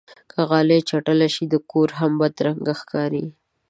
که غالۍ چټله شي، کور هم بدرنګه ښکاري.